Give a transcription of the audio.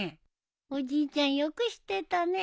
おじいちゃんよく知ってたね。